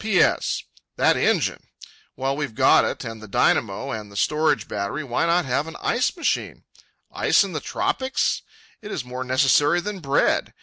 P.S.—That engine! While we've got it, and the dynamo, and the storage battery, why not have an ice machine? Ice in the tropics! It is more necessary than bread.